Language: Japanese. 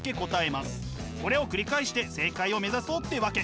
これを繰り返して正解を目指そうってわけ。